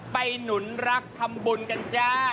หนุนรักทำบุญกันจ้า